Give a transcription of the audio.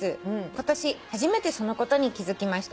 今年初めてそのことに気付きました。